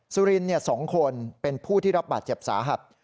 สุรินทร์๒คนเป็นผู้ที่รับบาดเจ็บสาหัส